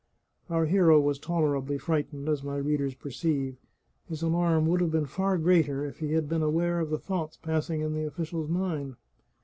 Our hero was tolerably frightened, as my readers per ceive. His alarm would have been far greater if he had been aware of the thoughts passing in the official's mind.